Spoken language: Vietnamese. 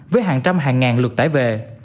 với hàng trăm hàng ngàn lượt tải về